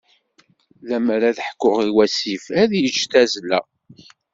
Lemmer ad ḥkuɣ i wasif, ad yeǧǧ tazzla.